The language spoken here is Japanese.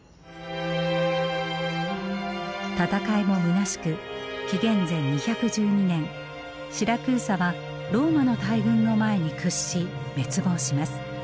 戦いもむなしく紀元前２１２年シラクーサはローマの大軍の前に屈し滅亡します。